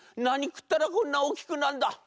なにくったらこんなおおきくなんだ」。